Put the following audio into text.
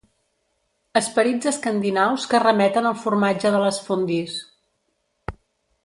Esperits escandinaus que remeten al formatge de les fondues.